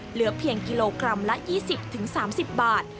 เหลือเพียงกิโลกรัมละ๒๐๓๐บาท